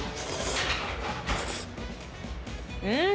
うん！